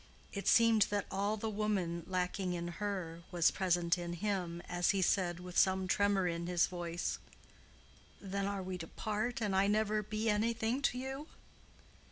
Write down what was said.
It seemed that all the woman lacking in her was present in him, as he said, with some tremor in his voice, "Then are we to part and I never be anything to you?"